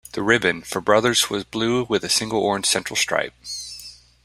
The "ribbon" for Brothers was blue with a single orange central stripe.